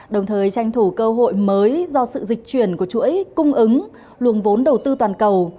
đồng thời tranh thủ cơ hội mới do sự dịch chuyển của chuỗi cung ứng luồng vốn đầu tư toàn cầu